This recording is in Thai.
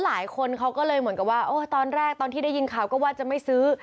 หลายคนเขาก็เลยเหมือนกับว่าตอนแรกตอนที่ได้ยินข่าวก็ว่าจะไม่ซื้อ